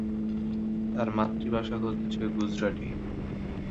তাঁর মাতৃভাষা হচ্ছে গুজরাটি।